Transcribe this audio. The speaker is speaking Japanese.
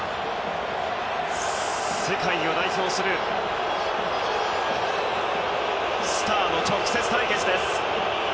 世界を代表するスターの直接対決です。